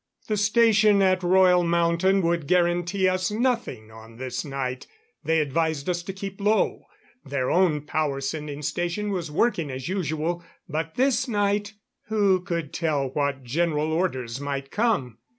] The station at Royal Mountain would guarantee us nothing on this night; they advised us to keep low. Their own power sending station was working as usual. But this night who could tell what General Orders might come?